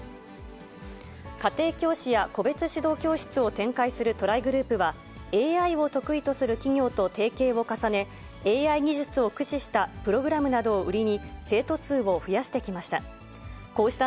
家庭教師や個別指導教室を展開するトライグループは、ＡＩを得意とする企業と提携を重ね、ＡＩ技術を駆使したプログラムなどを売りに、生徒数を増やしてきました。